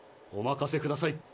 お任せください